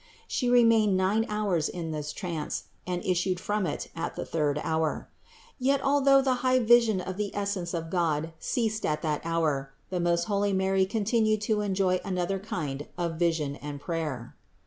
She remained nine hours in this trance and issued from it at the third hour. Yet, although the high vision of the essence of God ceased at that hour, the most holy Mary continued to enjoy another kind of vision and prayer.